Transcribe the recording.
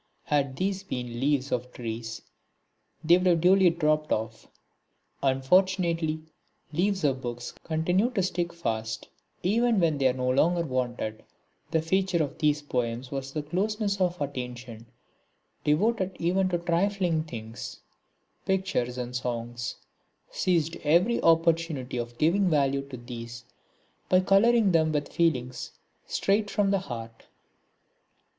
Had these been leaves of trees they would have duly dropped off. Unfortunately, leaves of books continue to stick fast even when they are no longer wanted. The feature of these poems was the closeness of attention devoted even to trifling things. Pictures and Songs seized every opportunity of giving value to these by colouring them with feelings straight from the heart.